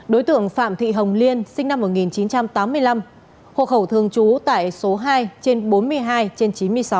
đối tượng phạm thị hồng liên sinh năm một nghìn chín trăm tám mươi năm hộ khẩu thường trú tại số hai trên bốn mươi hai trên chín mươi sáu